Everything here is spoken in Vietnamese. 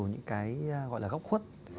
những cái gọi là góc khuất